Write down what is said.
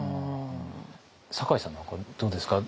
酒井さんなんかどうですか？